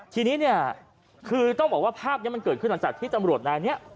ทีนี้เนี่ยคือต้องบอกว่าภาพนี้มันเกิดขึ้นหลังจากที่ตำรวจนายนี้